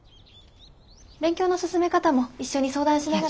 勉強の進め方も一緒に相談しながら。